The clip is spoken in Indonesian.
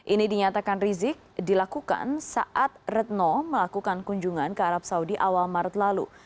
ini dinyatakan rizik dilakukan saat retno melakukan kunjungan ke arab saudi awal maret lalu